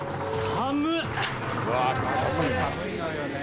「寒いのよね」